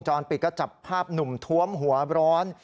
จรปิดก็จับภาพหนุ่มท้วมหัวร้อน